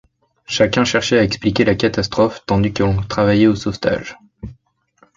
Chacun cherchait à expliquer la catastrophe, tandis que l’on travaillait au sauvetage.